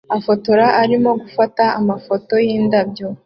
Ufotora arimo gufata amafoto yindabyo